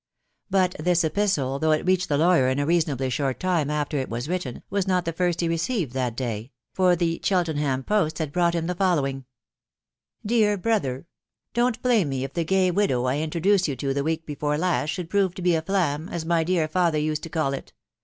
But this epistle, though it reached the lawyer in a reasonably short time aftei it was written, was not the first he received that day, .... for the Cheltenham post had brought him the following: — c< Dear Brother, u Don't blame me if the gay widow I introduced to you the week before last, should prove to be aflam, as my dear father used to call it.